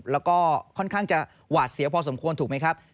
แล้วก็ค่อนข้างจะหวาดเสียวพอสมควรถูกไหมครับ